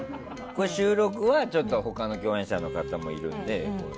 収録はちょっと他の共演者の方もいるので。